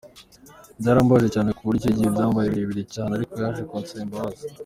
Byarambabaje cyane ku buryo icyo gihe byabaye ibintu birebire cyane ariko yaje kunsaba imbabazi.